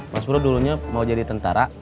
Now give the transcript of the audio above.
mas bro dulunya mau jadi tentara